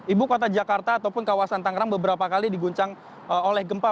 ibu kota jakarta ataupun kawasan tangerang beberapa kali diguncang oleh gempa